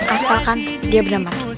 asalkan dia berada di depan kamu